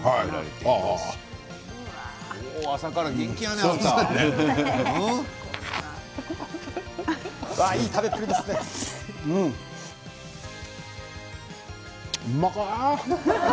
朝から元気やね、あなた。